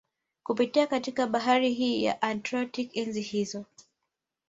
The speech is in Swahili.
Kupitia katika bahari hii ya Atlantik enzi hizo